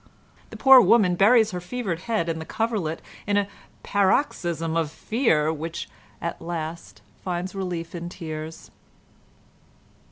The poor woman buries her fevered head in the coverlet in a paroxysm of fear which at last finds relief in tears.